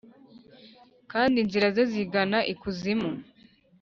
kandi inzira ze zigana ikuzimu